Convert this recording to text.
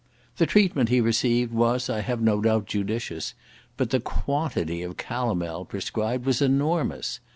The treatment he received was, I have no doubt, judicious, but the quantity of calomel prescribed was enormous.